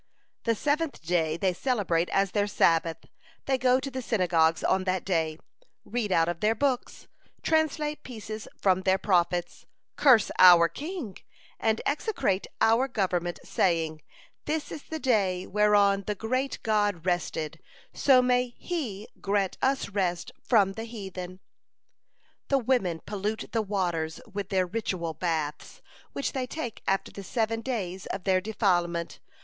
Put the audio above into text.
"The seventh day they celebrate as their Sabbath; they go to the synagogues on that day, read out of their books, translate pieces from their Prophets, curse our king, and execrate our government, saying: 'This is the day whereon the great God rested; so may He grant us rest from the heathen.' "The women pollute the waters with their ritual baths, which they take after the seven days of their defilement.